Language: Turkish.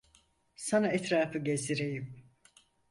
Sana etrafı gezdireyim.